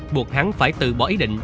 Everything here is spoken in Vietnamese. buộc hắn phải tự bỏ ý định